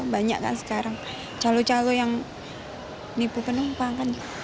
banyak kan sekarang calo calo yang nipu penumpang